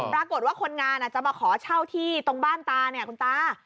ปรากฏว่าคนงานจะมาขอเช่าที่ตรงบ้านตาเนี่ยคุณตา